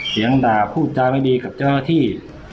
เสียงด่าพูดจาไม่ดีกับเจ้าหน้าที่